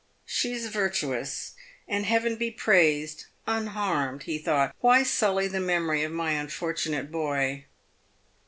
" She is virtuous, and, Heaven be praised, unharmed," he thought. "Why sully the memory of my unfortunate boy